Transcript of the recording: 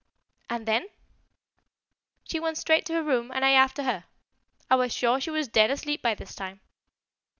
"And then?" "She went straight to her room and I after her. I was sure she was dead asleep by this time."